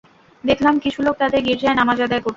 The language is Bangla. দেখলাম, কিছু লোক তাদের গির্জায় নামায আদায় করছে।